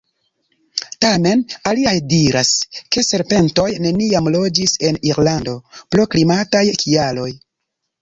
Tamen aliaj diras, ke serpentoj neniam loĝis en Irlando pro klimataj kialoj.